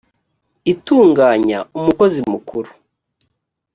itunganya umukozi mukuru